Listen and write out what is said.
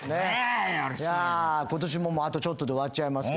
いや今年もあとちょっとで終わっちゃいますけどね。